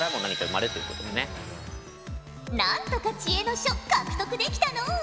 なんとか知恵の書獲得できたのう。